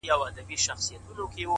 • که غچيدله زنده گي په هغه ورځ درځم،